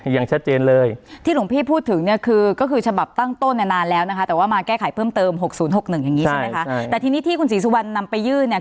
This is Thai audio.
๖๐๖๑อย่างนี้ใช่ไหมคะใช่ใช่แต่ทีนี้ที่คุณศรีสุวรรณนำไปยื่นเนี่ย